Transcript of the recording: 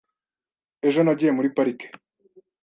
Ejo nagiye muri parike .